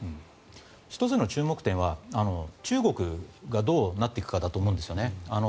１つの注目点は中国がどうなっていくかだと思うんですね。